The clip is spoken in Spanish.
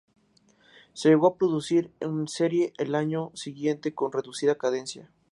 Se llegó a producir en serie al año siguiente, con reducida cadencia.